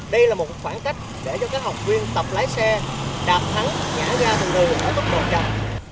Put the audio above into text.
đây là một khoảng cách để cho các học viên tập lái xe đạp thắng nhảy ra thường thường ở tốc độ chậm